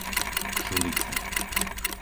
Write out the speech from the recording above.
Šurice